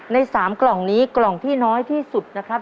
ใน๓กล่องนี้กล่องที่น้อยที่สุดนะครับ